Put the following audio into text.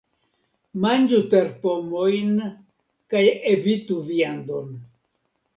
Manĝu terpomojn kaj evitu viandon.